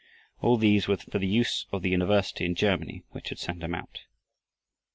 All these were for the use of the university in Germany which had sent him out.